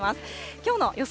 きょうの予想